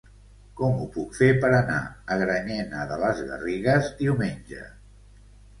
Com ho puc fer per anar a Granyena de les Garrigues diumenge?